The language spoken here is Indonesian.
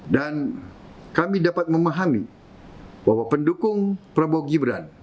dan kami dapat memahami bahwa pendukung prabowo gibran